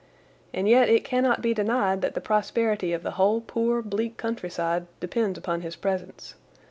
And yet it cannot be denied that the prosperity of the whole poor, bleak countryside depends upon his presence.